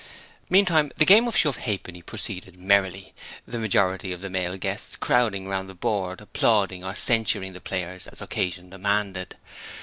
Meantime the game of shove ha'penny proceeded merrily, the majority of the male guests crowding round the board, applauding or censuring the players as occasion demanded.